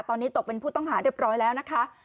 ตอนนี้ตกเป็นผู้ต้องหาเรียบร้อยแล้วนะคะ